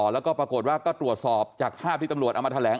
แล้วก็ปรากฏว่าก็ตรวจสอบจากภาพที่ตำรวจเอามาแถลง